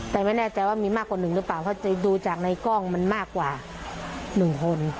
แต่ไม่แน่ใจว่ามีมากกว่าหนึ่งหรือเปล่าเพราะจะดูจากในกล้องมันมากกว่า๑คน